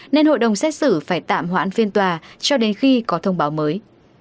nên hội đồng xét xử phải tạm hoãn phiên tòa cho đến khi có thông báo mới